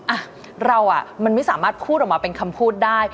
อ่ะเราอ่ะมันไม่สามารถพูดออกมาเป็นคำพูดได้